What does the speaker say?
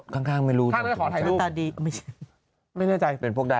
แต่อันนี้ดูแก่กว่า